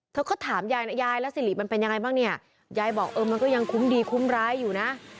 เธอก็ถามยายยายแล้วสิริมันเป็นยังไงบ้างเนี่ยยายบอกเออมันก็ยังคุ้มดีคุ้มร้ายอยู่นะ